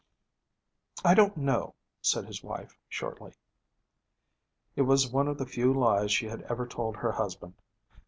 'I don't know,' said his wife shortly. It was one of the few lies she had ever told her husband.